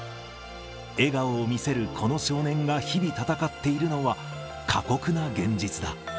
笑顔を見せるこの少年が日々戦っているのは、過酷な現実だ。